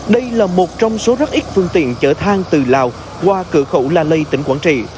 đây là một trong số rất ít phương tiện chở than từ lào qua cửa khẩu la lây tỉnh quảng trị